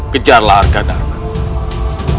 kejarlah arga darman